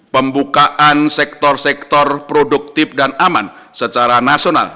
pembukaan sektor sektor produktif dan aman secara nasional